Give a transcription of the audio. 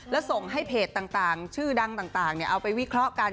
แล้วส่งให้เพจต่างชื่อดังต่างเอาไปวิเคราะห์กัน